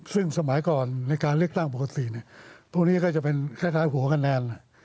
ซึ่งสมัยก่อนในการเลือกตั้งปกติพวกนี้ก็จะเป็นคล้ายหัวคะแนน